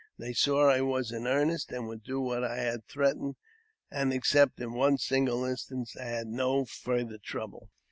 They saw I was in earnest, and would do what I had threatened, and, except in one single instance, I had no farther trouble.